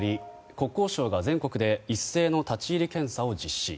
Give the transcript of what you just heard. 国交省が全国で一斉に立ち入り検査を実施。